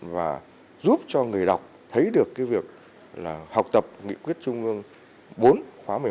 và giúp cho người đọc thấy được cái việc là học tập nghị quyết trung ương bốn khóa một mươi một